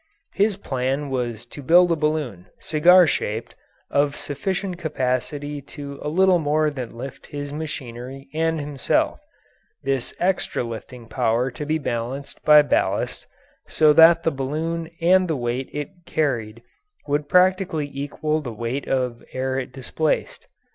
His plan was to build a balloon, cigar shaped, of sufficient capacity to a little more than lift his machinery and himself, this extra lifting power to be balanced by ballast, so that the balloon and the weight it carried would practically equal the weight of air it displaced.